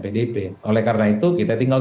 pdip oleh karena itu kita tinggal